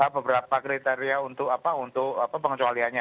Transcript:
beberapa kriteria untuk apa untuk pengecualiannya